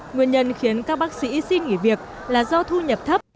nguyên nhân khiến các bác sĩ xin nghỉ việc là do thu nhập thấp